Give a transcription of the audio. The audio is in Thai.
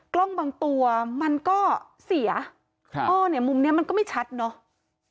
กล้องบางตัวมันก็เสียมุมนี้มันก็ไม่ชัดเนาะ